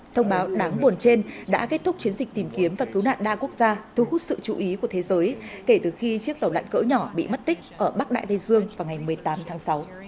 thông báo đáng buồn trên đã kết thúc chiến dịch tìm kiếm và cứu nạn đa quốc gia thu hút sự chú ý của thế giới kể từ khi chiếc tàu lạ cỡ nhỏ bị mất tích ở bắc đại tây dương vào ngày một mươi tám tháng sáu